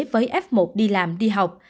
với f một đi làm đi học